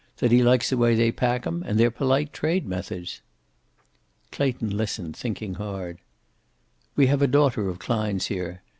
That he likes the way they pack 'em, and their polite trade methods." Clayton listened, thinking hard. "We have a daughter of Klein's here.